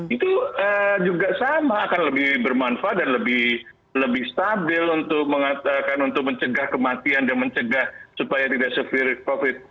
itu juga sama akan lebih bermanfaat dan lebih stabil untuk mengatakan untuk mencegah kematian dan mencegah supaya tidak sepiring covid